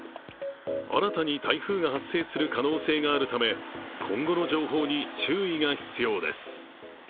新たに台風が発生する可能性があるため、今後の情報に注意が必要です。